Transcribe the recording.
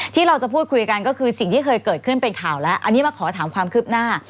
ที่เราจะพูดคุยกันก็คือสิ่งที่เคยเกิดขึ้นเป็นข่าวแล้วอันนี้มาขอถามความคืบหน้า